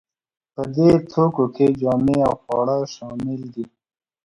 په دې توکو کې جامې او خواړه شامل دي.